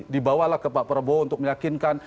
dibawalah ke pak prabowo untuk meyakinkan